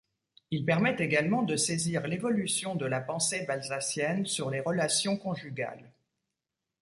Il permet également de saisir l'évolution de la pensée balzacienne sur les relations conjugales.